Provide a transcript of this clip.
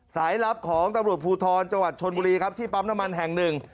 สายลับของตำรวจภูทรจังหวัดชนบุรีครับที่ปั๊มน้ำมันแห่งหนึ่ง